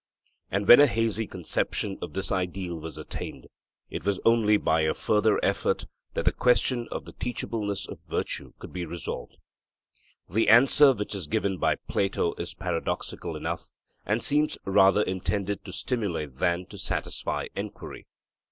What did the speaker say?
And when a hazy conception of this ideal was attained, it was only by a further effort that the question of the teachableness of virtue could be resolved. The answer which is given by Plato is paradoxical enough, and seems rather intended to stimulate than to satisfy enquiry.